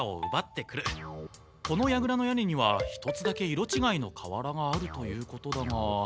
このやぐらの屋根には１つだけ色ちがいの瓦があるということだが。